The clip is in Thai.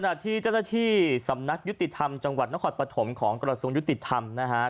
ที่เจ้าหน้าที่สำนักยุติธรรมจังหวัดนครปฐมของกระทรวงยุติธรรมนะฮะ